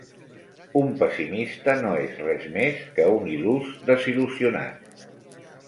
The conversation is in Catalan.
Un pessimista no és res més que un il·lús desil·lusionat.